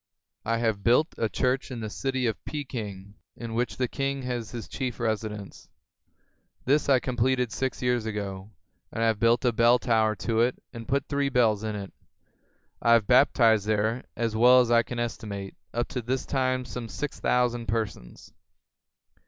I have built a church in the city of Peking, in which the king has his chief residence. This I completed six years ago; and I have built a bell tower to it and put three bells in it. I have baptized there, as well as I can estimate, up to this time some six thousand persons.